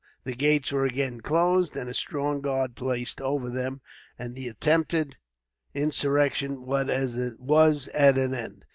The gates were again closed, and a strong guard placed over them, and the attempted insurrection was at an end.